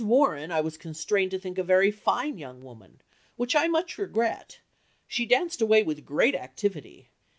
Warren, I was constrained to think a very fine young woman, which I much regret. She danced away with great activity.